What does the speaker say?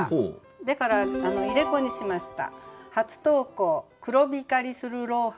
だから入れ子にしました。